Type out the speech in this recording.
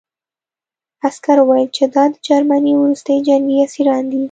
عسکر وویل چې دا د جرمني وروستي جنګي اسیران دي